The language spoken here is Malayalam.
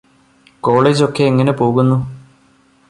കോളേജ് ഒക്കെ എങ്ങനെ പോകുന്നു?